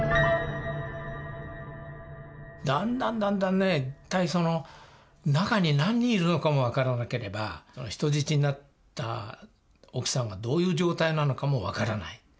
だんだんだんだんね一体その中に何人いるのかも分からなければ人質になった奥さんがどういう状態なのかも分からない。